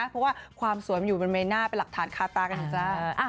เพราะว่าความสวยมันอยู่บนใบหน้าเป็นหลักฐานคาตากันนะจ๊ะ